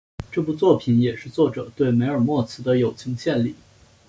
这部作品也是作者对梅尔莫兹的友情献礼。